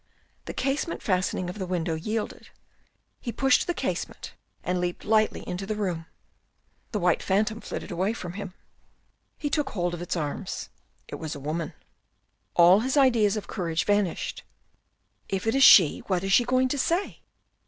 The casement fastening of the window yielded. He pushed the casement and leaped lightly into the room. The white phantom flitted away from him. He took hold 224 THE RED AND THE BLACK of its arms. It was a woman. All his ideas of courage vanished. " If it is she, what is she going to say?"